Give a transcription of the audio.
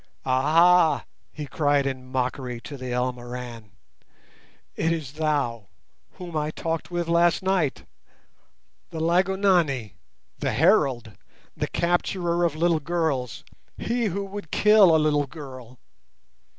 "Ah, ah," he cried, in mockery, to the Elmoran, "it is thou whom I talked with last night—the Lygonani! the Herald! the capturer of little girls—he who would kill a little girl!